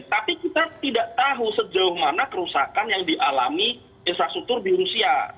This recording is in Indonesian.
tapi kita tidak tahu sejauh mana kerusakan yang dialami infrastruktur di rusia